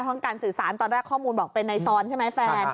ห้องการสื่อสารตอนแรกข้อมูลบอกเป็นในซอนใช่ไหมแฟน